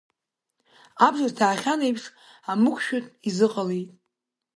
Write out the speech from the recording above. Абжа рҭаахьан еиԥш, амықәшәатә изыҟалеит.